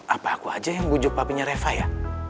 apa aku aja yang bujuk papinya reva ya